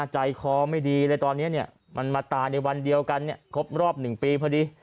ใจคอไม่ดีเลยตอนนี้มันมาตายในวันเดียวกันครบรอบ๑ปีพอดี